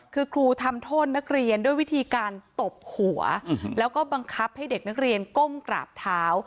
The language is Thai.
คือครูทำโทษนักเรียนด้วยวิธีการตบหัวแล้วก็บังคับให้เด็กนักเรียนก้มกราบเท้า